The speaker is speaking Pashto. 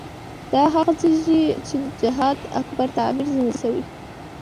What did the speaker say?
دا هغه څه دي چې جهاد اکبر تعبیر ځنې شوی.